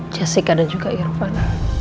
jessica dan juga irfan